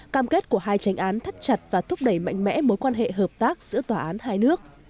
cam kết của hai tranh án thắt chặt và thúc đẩy mạnh mẽ mối quan hệ hợp tác giữa tòa án hai nước